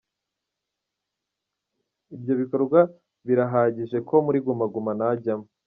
Ibyo bikorwa birahagije ko muri Guma Guma najyamo.